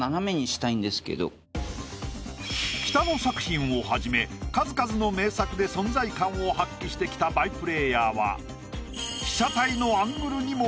北野作品をはじめ数々の名作で存在感を発揮してきたその意図は？